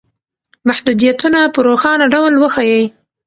محدودیتونه په روښانه ډول وښایئ.